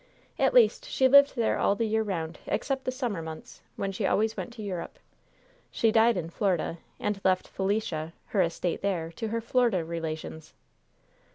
At least, she lived there all the year round except the summer months, when she always went to Europe. She died in Florida, and left Felicia her estate there to her Florida relations."